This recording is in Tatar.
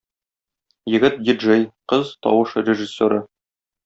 Егет - ди-джей, кыз - тавыш режиссеры.